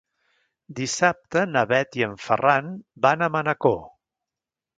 Dissabte na Bet i en Ferran van a Manacor.